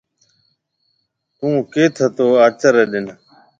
ٿُون ڪيٿ هتو آچر ري ڏن۔